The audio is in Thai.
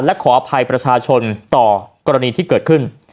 และขออภัยประชาชนต่อกรณีที่เกิดขึ้น